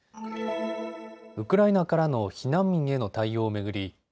ウクライナからの避難民への対応を巡り